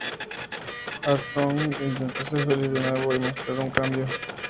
Armstrong intentó ser feliz de nuevo y mostrar un cambio.